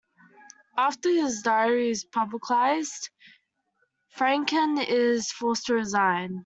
After his diary is publicized, Franken is forced to resign.